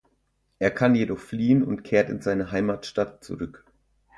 Er kann jedoch fliehen und kehrt in seine Heimatstadt zurück.